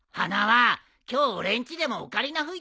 今日俺んちでもオカリナ吹いてくれよ。